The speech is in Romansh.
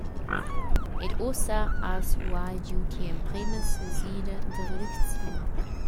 Ed ussa has ual giu Tia emprema sesida da redacziun.